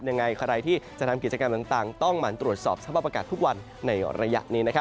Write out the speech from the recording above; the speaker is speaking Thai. ยังไงใครที่จะทำกิจกรรมต่างต้องหั่นตรวจสอบสภาพอากาศทุกวันในระยะนี้